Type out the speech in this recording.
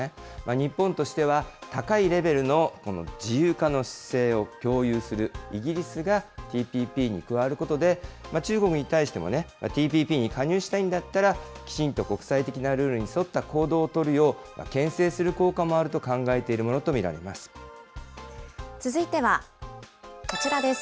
日本としては高いレベルの自由化の姿勢を共有するイギリスがＴＰＰに加わることで、中国に対しても、ＴＰＰに加入したいんだったら、きちんと国際的なルールに沿った行動を取るよう、けん制する効果もあると考えているものと見られ続いてはこちらです。